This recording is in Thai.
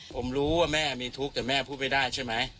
ผมรู้ว่าแม่มีทุกข์แต่แม่พูดไม่ได้ใช่ไหม